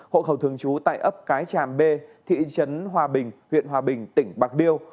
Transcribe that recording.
hộ khẩu thường trú tại ấp cái tràm b thị trấn hòa bình huyện hòa bình tỉnh bạc liêu